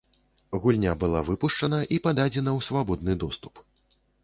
Гульня была выпушчана і пададзена ў свабодны доступ.